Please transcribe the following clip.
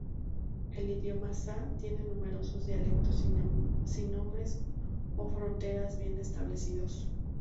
El idioma Sa tiene numerosos dialectos sin nombres o fronteras bien establecidos.